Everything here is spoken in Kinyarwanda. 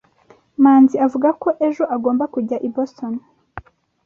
manzi avuga ko ejo agomba kujya i boston